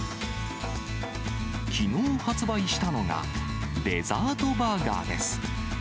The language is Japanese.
きのう発売したのが、デザートバーガーです。